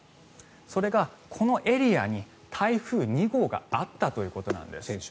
それが、このエリアに台風２号があったということなんです。